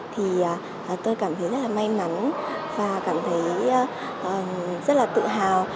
thì tôi cảm thấy rất là may mắn và cảm thấy rất là tự hào